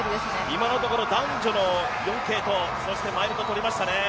今のところ男女の４継とマイルで取りましたね。